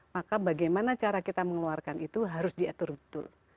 maka bagaimana cara kita mengeluarkan itu harus diatur betul